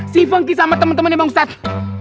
si funky sama temen temennya bang ustadz